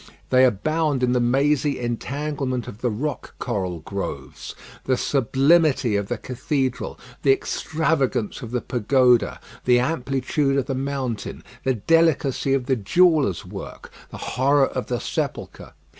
They abound in the mazy entanglement of the rock coral groves, the sublimity of the cathedral, the extravagance of the pagoda, the amplitude of the mountain, the delicacy of the jeweller's work, the horror of the sepulchre.